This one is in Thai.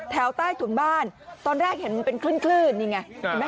แถวใต้ถุงบ้านตอนแรกเห็นมันเป็นคลื่นนี่ไง